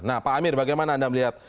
nah pak amir bagaimana anda melihat